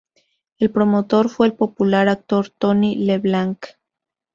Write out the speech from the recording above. El promotor fue el popular actor Tony Leblanc.